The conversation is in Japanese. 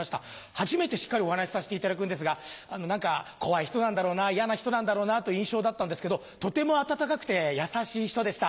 初めてしっかりお話しさせていただくんですが何か怖い人なんだろうな嫌な人なんだろうなという印象だったんですけどとても温かくて優しい人でした。